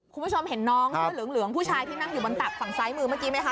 คุณผู้ชมเห็นน้องเสื้อเหลืองผู้ชายที่นั่งอยู่บนตับฝั่งซ้ายมือเมื่อกี้ไหมคะ